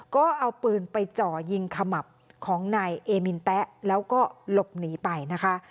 ก็เอาปืนไปจ่อยิงขมับของนายเอมินแต๊ะแล้วก็หลบหนีไปนะคะ